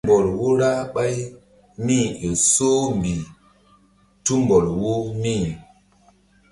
Tumbɔl wo ra ɓáy mí-i ƴo soh mbih tumbɔl wo mí.